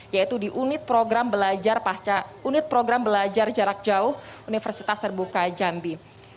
yaitu di unit program unit program belajar jarak jauh universitas terbuka jambi